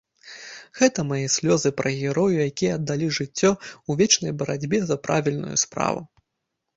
Гэта мае слёзы пра герояў, якія аддалі жыццё ў вечнай барацьбе за правільную справу!